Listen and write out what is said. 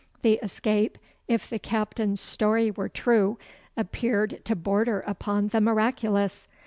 The escape, if the Captain's story were true, appeared to border upon the miraculous.